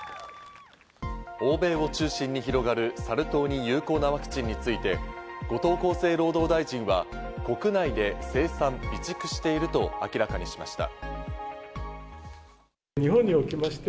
欧米を中心に広がるサル痘に有効なワクチンについて、後藤厚生労働大臣は国内で生産備蓄していると明らかにしました。